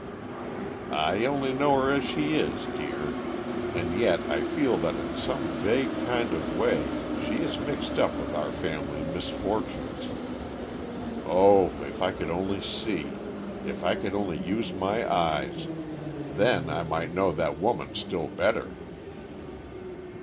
"I only know her as she is, dear. And yet I feel that in some vague kind of way she is mixed up with our family misfortunes. Oh, if I could only see, if I could only use my eyes. Then I might know that woman still better."